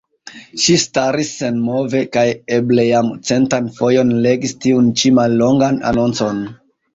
Ŝi staris senmove kaj eble jam centan fojon legis tiun ĉi mallongan anoncon.